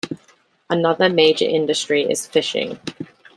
Another major industry is fishing.